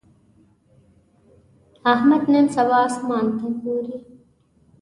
احمد نن سبا اسمان ته ګوري.